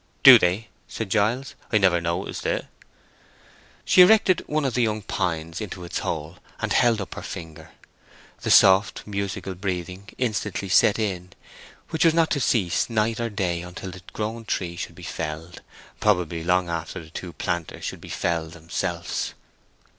"Do they?" said Giles. "I've never noticed it." She erected one of the young pines into its hole, and held up her finger; the soft musical breathing instantly set in, which was not to cease night or day till the grown tree should be felled—probably long after the two planters should be felled themselves.